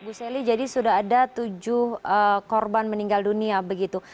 bu selly jadi sudah ada tujuh korban meninggal dunia begitu